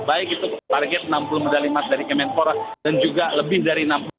baik itu target enam puluh medali emas dari kemenpora dan juga lebih dari enam puluh